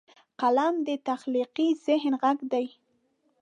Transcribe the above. قلم د تخلیقي ذهن غږ دی